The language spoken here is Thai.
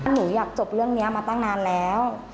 หนูอยากจบเรื่องนี้มาตั้งนานแล้ว